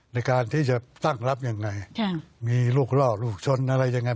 ในการที่จะตั้งรับยังไงมีลูกล่อลูกชนอะไรยังไง